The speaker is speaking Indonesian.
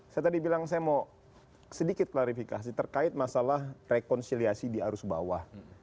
saya tadi bilang saya mau sedikit klarifikasi terkait masalah rekonsiliasi di arus bawah